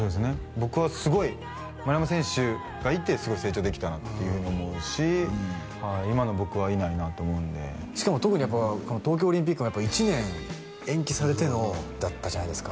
僕はすごい丸山選手がいてすごい成長できたなっていうふうに思うし今の僕はいないなと思うんでしかも特にやっぱこの東京オリンピックが１年延期されてのだったじゃないですか